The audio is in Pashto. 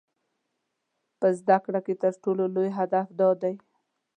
په زده کړه کې تر ټولو لوی هدف دا دی.